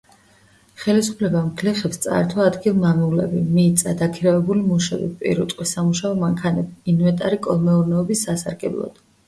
ხელისუფლებმა გლეხებს წაართვა ადგილ-მამულები, მიწა, დაქირავებული მუშები, პირუტყვი, სამუშაო მანქანები, ინვენტარი კოლმეურნეობის სასარგებლოდ.